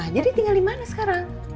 jadi tinggal dimana sekarang